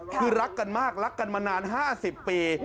คือรักกันมากรักกันมานาน๕๐ปี